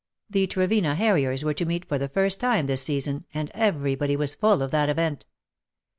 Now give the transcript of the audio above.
The Trevena harriers were to meet for the first time this season^ and everybody was full of that event.